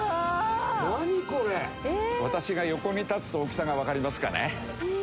私が横に立つと大きさがわかりますかね？